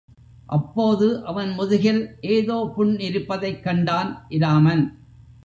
அப்போது அவன் முதுகில் ஏதோ புண் இருப்பதைக் கண்டான் இராமன்.